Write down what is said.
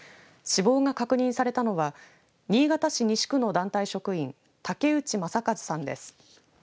死亡が確認されたのは新潟市西区の団体職員竹内正和さんです。